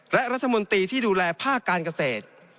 และรัฐมนตรีที่ดูแลภาคการเกษตร